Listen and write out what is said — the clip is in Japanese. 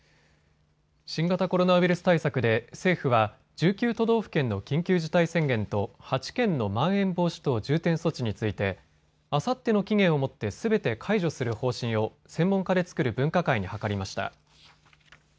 新型コロナウイルス対策で政府は１９都道府県の緊急事態宣言と８県のまん延防止等重点措置についてあさっての期限をもってすべて解除する方針を専門家で作る分科会に諮りました。